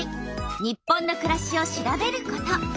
「日本のくらし」を調べること。